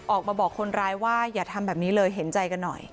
ออกมาบอกคนร้ายว่าอย่าทำแบบนี้เลยเห็นใจกันหน่อย